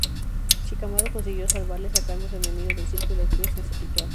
Shikamaru consiguió salvarle, sacando a su enemigo del círculo que usa en su ritual.